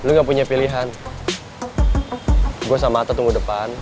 gue sama ata tunggu depan